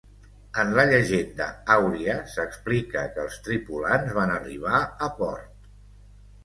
En la llegenda àuria s’explica que els tripulants van arribar a port.